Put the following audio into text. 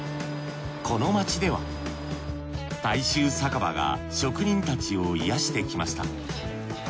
この街では大衆酒場が職人たちを癒やしてきました。